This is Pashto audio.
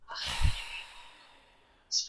که مورنۍ ژبه وي، نو زده کړه اسانوي.